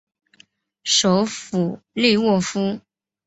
首府利沃夫。